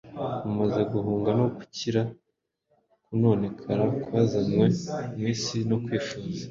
mumaze guhunga no gukira kononekara kwazanywe mu isi no kwifuza.